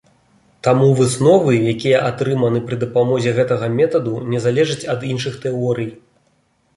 Таму высновы, якія атрыманы пры дапамозе гэтага метаду, не залежаць ад іншых тэорый.